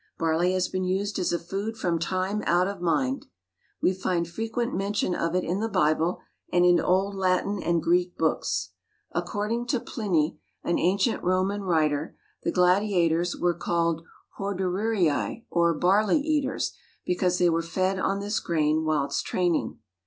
Barley has been used as a food from time out of mind. We find frequent mention of it in the Bible, and in old Latin and Greek books. According to Pliny, an ancient Roman writer, the gladiators were called Hordearii, or "barley eaters," because they were fed on this grain whilst training.